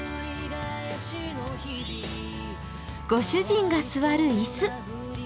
ご主人が座る椅子。